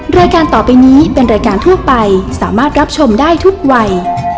รายการต่อไปนี้เป็นรายการทั่วไปสามารถรับชมได้ทุกวัย